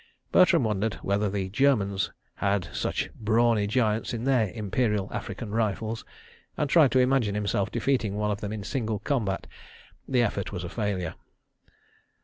Bertram wondered whether the Germans had just such brawny giants in their Imperial African Rifles, and tried to imagine himself defeating one of them in single combat. The effort was a failure.